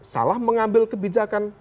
salah mengambil kebijakan